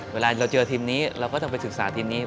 เวลาเราเจอทีมนี้เราก็ต้องไปศึกษาทีมนี้